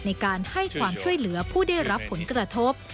ในการให้ความช่วยเหลือผู้ได้รับผลกระทบ